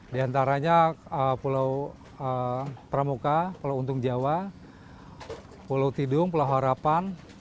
di antaranya pulau pramuka pulau untung jawa pulau tidung pulau harapan